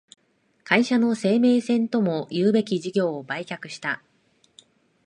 会社の生命線ともいうべき事業を売却した